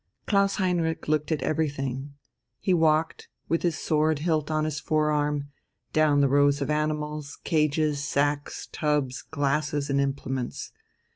Klaus Heinrich looked at everything; he walked, with his sword hilt on his forearm, down the rows of animals, cages, sacks, tubs, glasses, and implements.